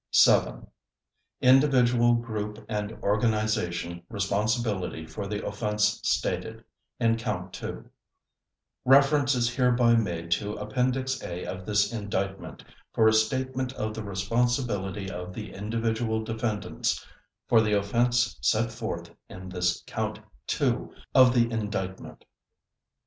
VII. Individual, Group and Organization Responsibility for the Offense Stated in Count Two Reference is hereby made to Appendix A of this Indictment for a statement of the responsibility of the individual defendants for the offense set forth in this Count Two of the Indictment.